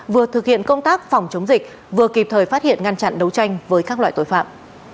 vừa thực hiện công tác phòng chống dịch vừa kịp thời phát hiện ngăn chặn đấu tranh với các loại tội phạm